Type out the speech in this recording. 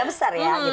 agak besar ya